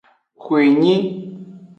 Xwenyi.